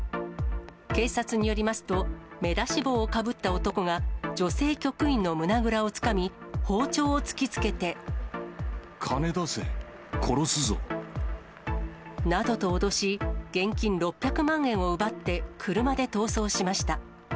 警察によりますと、目出し帽をかぶった男が女性局員の胸倉をつかみ、包丁を突きつけ金出せ、殺すぞ。などと脅し、現金６００万円を奪って車で逃走しました。